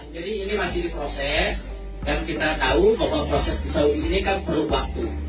jadi ini masih proses dan kita tahu bahwa proses di saudi ini kan perlu waktu